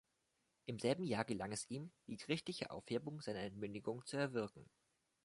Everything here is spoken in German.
Im selben Jahr gelang es ihm, die gerichtliche Aufhebung seiner Entmündigung zu erwirken.